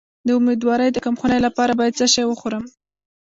د امیدوارۍ د کمخونی لپاره باید څه شی وخورم؟